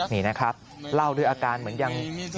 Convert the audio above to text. นี่นะครับเล่าด้วยอาการเหมือนยัง